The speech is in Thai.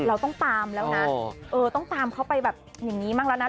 เราต้องตามแล้วนะต้องตามเขาไปแบบอย่างนี้บ้างแล้วนะ